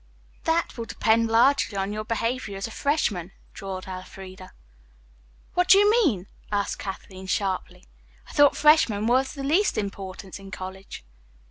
"That will depend largely on your behavior as a freshman," drawled Elfreda. "What do you mean?" asked Kathleen sharply. "I thought freshmen were of the least importance in college."